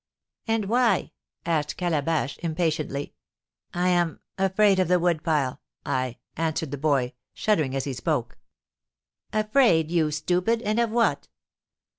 "And why?" asked Calabash, impatiently. "I am afraid of the wood pile I " answered the boy, shuddering as he spoke. "Afraid you stupid! And of what?"